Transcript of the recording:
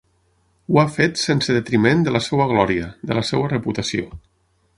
Ho ha fet sense detriment de la seva glòria, de la seva reputació.